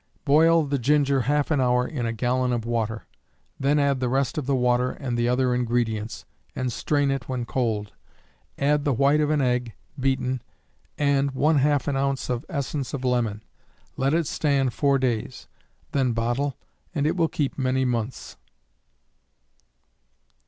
Boil the ginger half an hour in a gallon of water; then add the rest of the water and the other ingredients, and strain it when cold. Add the white of an egg, beaten, and ½ an ounce of essence of lemon. Let it stand 4 days, then bottle, and it will keep many months.